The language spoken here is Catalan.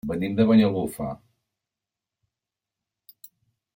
Venim de Banyalbufar.